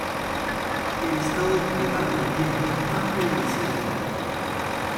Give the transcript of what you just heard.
El estado de Yucatán mantiene una amplia diversidad de fauna.